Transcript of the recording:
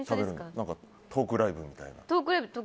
トークライブみたいな。